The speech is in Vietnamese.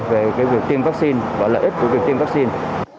về việc tiêm vaccine và lợi ích của việc tiêm vaccine